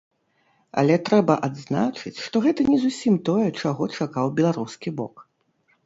Але трэба адзначыць, што гэта не зусім тое, чаго чакаў беларускі бок.